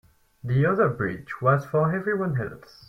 The other bridge was for everyone else.